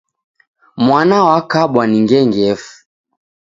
Mwana wakabwa ni ngengefu.